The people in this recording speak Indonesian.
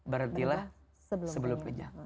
berhentilah sebelum kenyang